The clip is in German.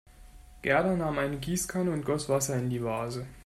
Gerda nahm eine Gießkanne und goss Wasser in die Vase.